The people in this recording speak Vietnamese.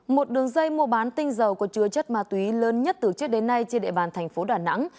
một đường dây mua bán tinh dầu có chứa chất ma túy lớn nhất từ trước đến nay trên địa bàn thành phố đà nẵng